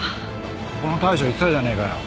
ここの大将言ってたじゃねえかよ。